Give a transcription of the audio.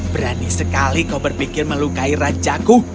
berani sekali kau berpikir melukai rajaku